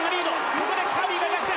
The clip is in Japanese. ここでカーリーが逆転